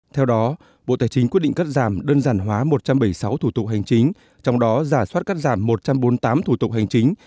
theo đó bộ tài chính quyết định cắt giảm đơn giản hóa một trăm bảy mươi sáu thủ tục hành chính trong đó giả soát cắt giảm một trăm bốn mươi tám thủ tục hành chính